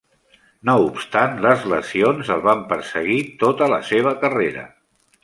No obstant, les lesions el van perseguir tota la seva carrera.